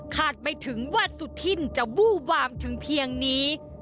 ไม่ถึงว่าสุธินจะวู้วามถึงเพียงนี้